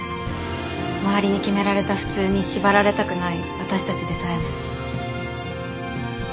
周りに決められた普通に縛られたくない私たちでさえも。